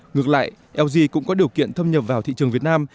ngược lại lg cũng có điều kiện thâm nhập vào thị trường việt nam